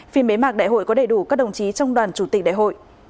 phiên bế mạc đại hội có đầy đủ các đồng chí trong đoàn chủ tịch đại hội